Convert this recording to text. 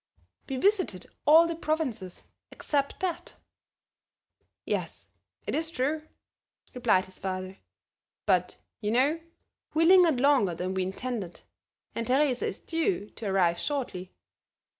We visited all the provinces except that." "Yes, it is true," replied his father, "but, you know, we lingered longer than we intended, and Teresa is due to arrive shortly.